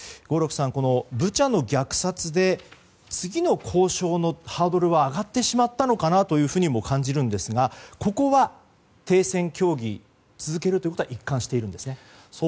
合六さん、ブチャの虐殺で次の交渉のハードルは上がってしまったのかなというふうにも感じるんですがここは停戦協議を続けることは一貫しているんですね。